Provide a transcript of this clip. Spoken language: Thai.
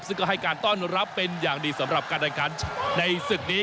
ซึ่งก็ให้การต้อนรับเป็นอย่างดีสำหรับการแข่งขันในศึกนี้